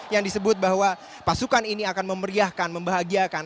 yang disebut bahwa pasukan ini akan memeriahkan membahagiakan